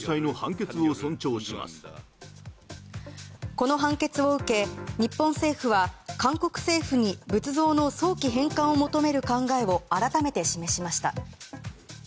この判決を受け日本政府は韓国政府に仏像の早期返還を求める考えを改めて示しました。